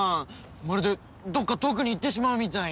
まるでどこか遠くに行ってしまうみたいに。